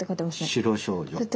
「白少女」。